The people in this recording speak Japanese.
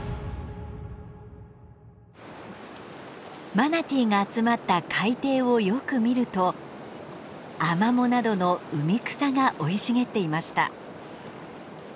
マナティーが集まった海底をよく見るとアマモなどの海草が生い茂っていました。